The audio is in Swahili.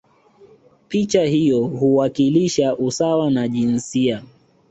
picha hiyo huwakilisha usawa wa jinsia